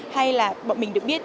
hay là bọn mình được biết hơn